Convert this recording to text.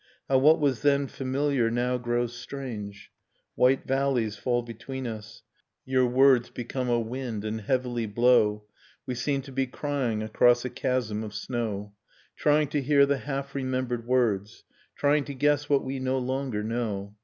How what was then familiar now grows strange ... White valleys fall between us, Your words become a wind, and heavily blow, We seem to be crying across a chasm of snow. Trying to hear the half remembered words. Trying to guess what we no longer know.